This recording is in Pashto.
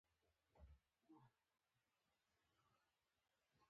لنډ مهاله ګټو د نیوډیل منشور بشپړ تطبیق ایجاب کاوه.